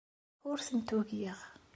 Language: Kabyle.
Ur tent-ugiɣ.